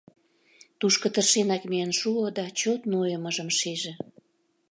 Тушко тыршенак миен шуо да чот нойымыжым шиже.